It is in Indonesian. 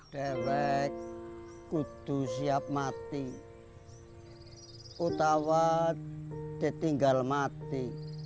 delek kutu siap mati utawat ditinggal mati